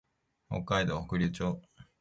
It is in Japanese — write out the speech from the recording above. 北海道北竜町